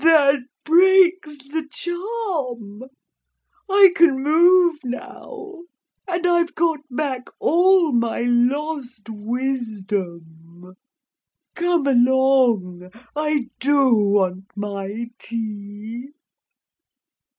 'That breaks the charm. I can move now. And I've got back all my lost wisdom. Come along I do want my tea!'